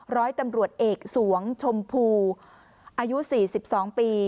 ร้อยตำรวจเอกสวงชมพูอายุสี่สิบสองปี